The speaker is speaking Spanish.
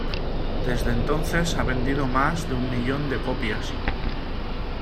Desde entonces ha vendido más de un millón de copias.